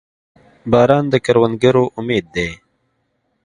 • باران د کروندګرو امید دی.